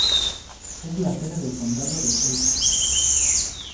Es la sede del Condado de Elko.